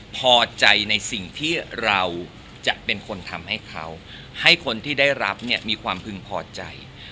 พอใจในสิ่งที่เราจะเป็นคนทำให้เขาให้คนที่ได้รับเนี่ยมีความพึงพอใจ